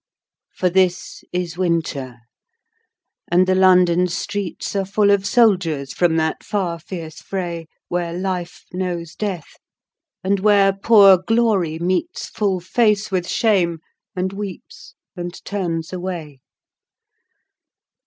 For this is winter, and the London streets Are full of soldiers from that far, fierce fray Where life knows death, and where poor glory meets Full face with shame, and weeps and turns away.